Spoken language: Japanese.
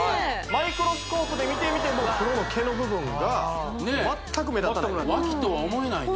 マイクロスコープで見てみても黒の毛の部分が全く目立たないワキとは思えないね